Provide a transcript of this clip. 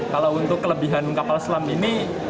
kalau untuk kelebihan kapal selam ini